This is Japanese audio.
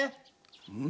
うん？